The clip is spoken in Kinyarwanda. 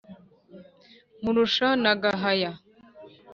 Nkurusha na Gahaya